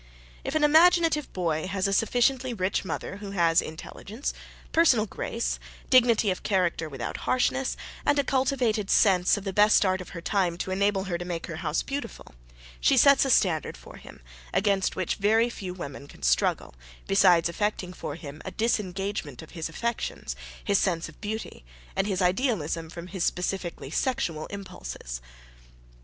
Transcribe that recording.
If an imaginative boy has a sufficiently rich mother who has intelligence, personal grace, dignity of character without harshness, and a cultivated sense of the best art of her time to enable her to make her house beautiful, she sets a standard for him against which very few women can struggle, besides effecting for him a disengagement of his affections, his sense of beauty, and his idealism from his specifically sexual impulses.